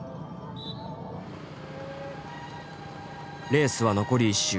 レースは残り１周。